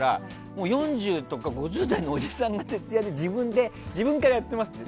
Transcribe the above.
４０とか５０代のおじさんが徹夜で自分からやってるって。